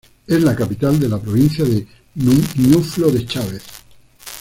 Es la capital de la Provincia de Ñuflo de Chávez.